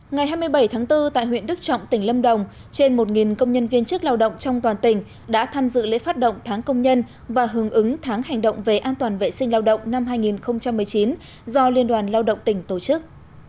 ngày hai mươi bảy tháng bốn tại huyện đức trọng tỉnh lâm đồng trên một công nhân viên chức lao động trong toàn tỉnh đã tham dự lễ phát động tháng công nhân và hướng ứng tháng hành động về an toàn vệ sinh lao động năm hai nghìn một mươi chín do liên đoàn lao động tỉnh tổ chức